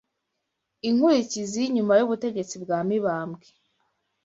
Inkurikizi, nyuma y’ubutegetsi bwa Mibambwe